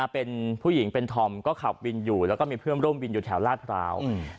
เป็นผู้หญิงเป็นธอมก็ขับวินอยู่แล้วก็มีเพื่อนร่วมวินอยู่แถวลาดพร้าว